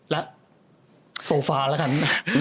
และโซฟาแล้วกัน